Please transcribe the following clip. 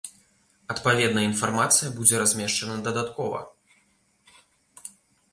Адпаведная інфармацыя будзе размешчана дадаткова.